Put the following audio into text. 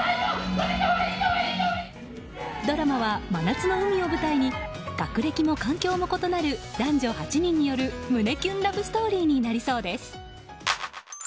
ドラマは真夏の海を舞台に学歴も環境も異なる男女８人による胸キュンラブストーリーになりそうです。